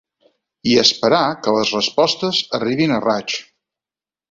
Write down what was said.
I esperar que les respostes arribin a raig.